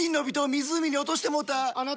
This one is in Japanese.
湖に落としてもうた！